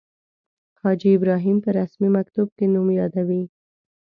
حاجي ابراهیم په رسمي مکتوب کې نوم یادوي.